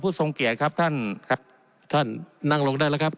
ทรงเกียรติครับท่านครับท่านนั่งลงได้แล้วครับ